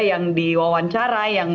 yang diwawancara yang